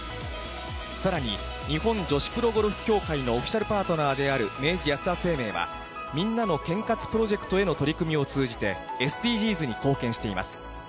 さらに、日本女子プロゴルフ協会のオフィシャルパートナーである明治安田生命は、みんなの健活プロジェクトへの取り組みを通じて、ＳＤＧｓに貢献しています。